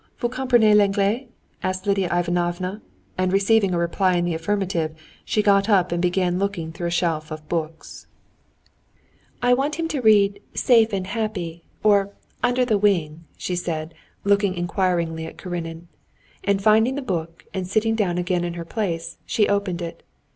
"Vous comprenez l'anglais?" asked Lidia Ivanovna, and receiving a reply in the affirmative, she got up and began looking through a shelf of books. "I want to read him 'Safe and Happy,' or 'Under the Wing,'" she said, looking inquiringly at Karenin. And finding the book, and sitting down again in her place, she opened it.